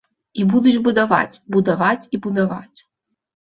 І будуць будаваць, будаваць і будаваць.